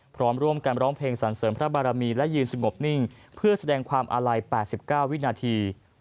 พร้อมร่วมกันร้องเพลงสรรเสริมพระบารมีและยืนสงบนิ่งเพื่อแสดงความอาลัย๘๙วินาที